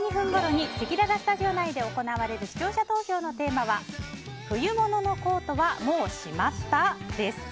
１０時５２分ごろにせきららスタジオ内で行われる視聴者投票のテーマは冬物のコートはもうしまった？